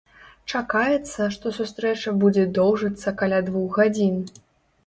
Чакаецца, што сустрэча будзе доўжыцца каля двух гадзін.